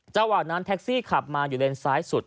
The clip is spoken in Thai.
จังหวะนั้นแท็กซี่ขับมาอยู่เลนซ้ายสุด